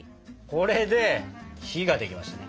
これで「日」ができましたね！